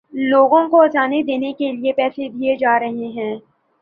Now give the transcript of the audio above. لوگوں کو اذانیں دینے کے لیے پیسے دیے جا رہے ہیں۔